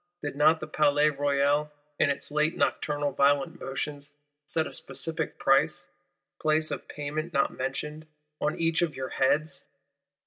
Did not the Palais Royal in its late nocturnal "violent motions," set a specific price (place of payment not mentioned) on each of your heads?